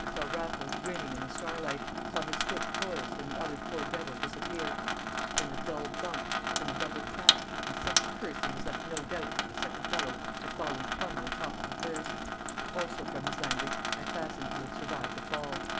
I saw Raffles grinning in the starlight, saw his foot poised and the other poor devil disappear. Then a dull bump, then a double crash and such a cursing as left no doubt that the second fellow had fallen plumb on top of the first. Also from his language I fancied he would survive the fall.